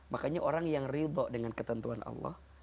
makanya orang yang ridho dengan ketentuan allah